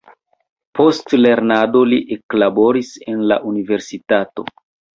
Post lernado li eklaboris en la universitato.